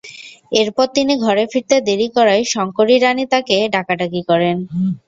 এরপর তিনি ঘরে ফিরতে দেরি করায় শঙ্করী রানী তাঁকে ডাকাডাকি করেন।